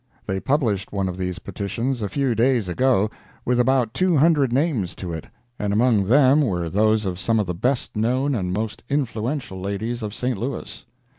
They published one of these petitions a few days ago, with about two hundred names to it, and among them were those of some of the best known and most influential ladies of St. Louis.